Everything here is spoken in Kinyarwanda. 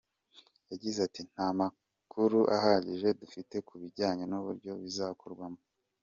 Yagize ati “Nta makuru ahagije dufite ku bijyanye n’uburyo bizakorwamo.